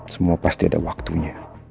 semua pasti ada waktunya